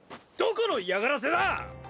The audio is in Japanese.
どこの嫌がらせだ！